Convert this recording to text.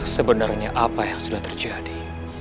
sebenarnya apa yang sudah terjadi